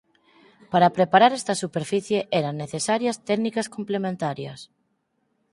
Para preparar esta superficie eran necesarias técnicas complementarias.